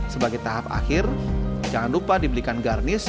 sebagai tahap akhir jangan lupa dibelikan garnish